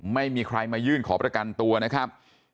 ไม่มีใครมายื่นขอประกันตัวนะครับ